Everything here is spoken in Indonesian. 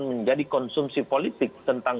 menjadi konsumsi politik tentang